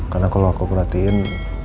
karena kalau aku perhatiin